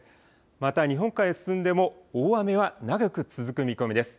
また日本海へ進んでも大雨は長く続く見込みです。